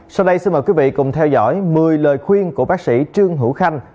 sau đây xin mời quý vị cùng theo dõi một mươi lời khuyên của bác sĩ trương hữu khanh